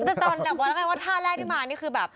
แต่ตอนแหละว่าไงว่าท่าแรกที่มานี่คือแบบ